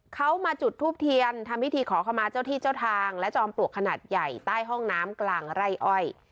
เขามาจุดทูปเทียนทำพิธีขอขมาเจ้าที่เจ้าทางและจอมปลวกขนาดใหญ่ใต้ห้องน้ำกลางไร่อ้อย